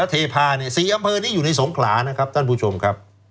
เทพาเนี่ย๔อำเภอนี้อยู่ในสงขลานะครับท่านผู้ชมครับ